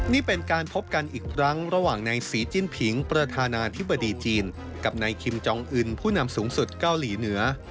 นี่เป็นการพบกันอีกครั้งระหว่างนายศรีจิ้นผิงประธานาธิบดีจีนกับนายคิมจองอื่นผู้นำสูงสุดเกาหลีเหนือ